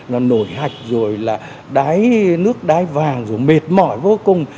là nổi hạch rồi là đáy nước đáy vàng rồi mệt mỏi vô cùng